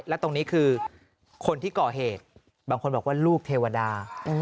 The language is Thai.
และตรงนี้คือคนที่ก่อเหตุบางคนบอกว่าลูกเทวดา